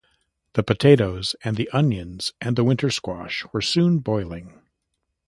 The potatoes and the onions and the winter squash were soon boiling.